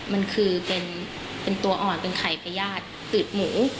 มันคือเป็นตัวอ่อนเป็นไข่พญาติตืดหมู